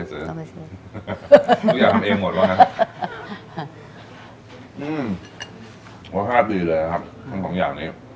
สดชาติดีเลยครับวันของอย่างนี้